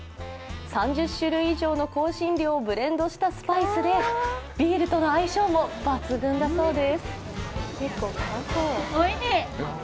３０種類以上の香辛料をブレンドしたスパイスでビールとの相性も抜群だそうです。